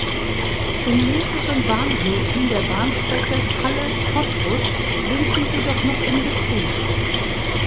In mehreren Bahnhöfen der Bahnstrecke Halle–Cottbus sind sie jedoch noch in Betrieb.